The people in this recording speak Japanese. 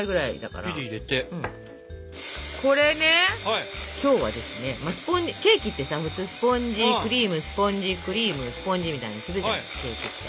これね今日はですねケーキってさ普通スポンジクリームスポンジクリームスポンジみたいにするじゃないケーキって。